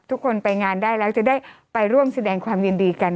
ทุกคนไปงานได้แล้วจะได้ไปร่วมแสดงความยินดีกัน